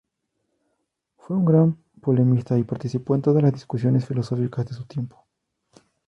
Fue un gran polemista y participó en todas las discusiones filosóficas de su tiempo.